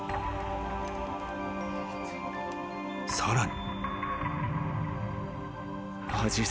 ［さらに］